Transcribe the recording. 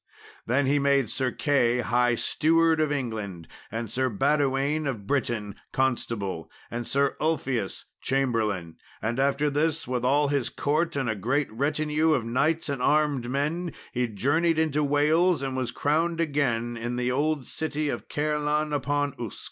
Then he made Sir Key, High Steward of England, and Sir Badewaine of Britain, Constable, and Sir Ulfius, Chamberlain: and after this, with all his court and a great retinue of knights and armed men, he journeyed into Wales, and was crowned again in the old city of Caerleon upon Usk.